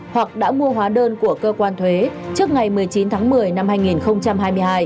hoặc đã mua hóa đơn của cơ quan thuế trước ngày một mươi chín tháng một mươi năm hai nghìn hai mươi hai